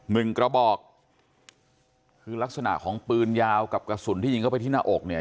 หนึ่งกระบอกคือลักษณะของปืนยาวกับกระสุนที่ยิงเข้าไปที่หน้าอกเนี่ย